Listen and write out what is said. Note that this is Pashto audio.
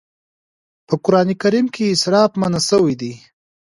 په قرآن کريم کې اسراف منع شوی دی.